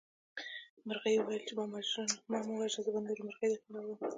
مرغۍ وویل چې ما مه وژنه زه به نورې مرغۍ درته راوړم.